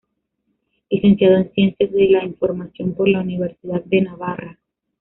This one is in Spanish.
Licenciado en Ciencias de la Información por la Universidad de Navarra.